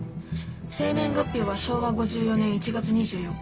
生年月日は昭和５４年１月２４日。